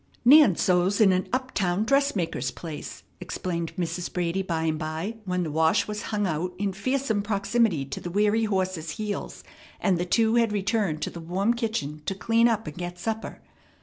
"Nan sews in an up town dressmaker's place," explained Mrs. Brady by and by, when the wash was hung out in fearsome proximity to the weary horse's heels, and the two had returned to the warm kitchen to clean up and get supper.